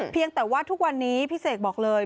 เพียงแต่ว่าทุกวันนี้พี่เสกบอกเลย